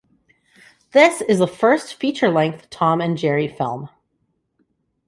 This is the first feature-length Tom and Jerry film.